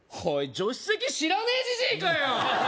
助手席知らねえじじいかよ！